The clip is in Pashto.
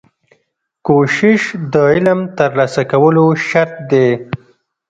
کوښښ د علم ترلاسه کولو شرط دی.